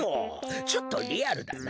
ちょっとリアルだな。